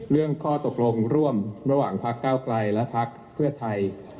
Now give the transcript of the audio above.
เรื่องข้อตกลงร่วมระหว่างพักเก้าไกลและพักเพื่อไทย